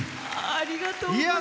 ありがとうございます。